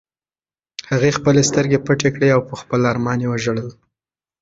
هغې خپلې سترګې پټې کړې او په خپل ارمان یې وژړل.